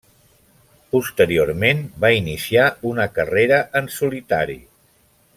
Posteriorment, va iniciar una carrera en solitari.